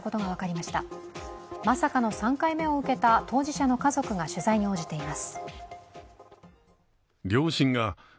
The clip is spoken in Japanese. まさかの３回目を受けた当事者の家族が取材に応じています。